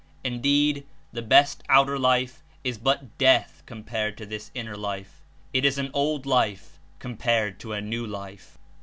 Indeed, the best outer life Is but death compared to this Inner life; It Is an old life compared to a new life.